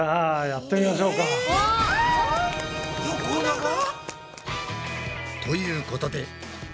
おっ！横長？ということで。